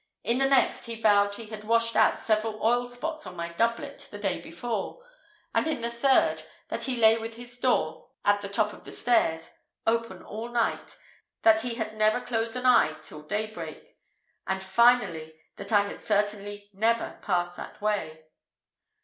In the next, he vowed he had washed out several oil spots upon my doublet the day before: and in the third, that he lay with his door, at the top of the stairs, open all night; that he had never closed an eye till daybreak, and, finally, that I had certainly never passed that way.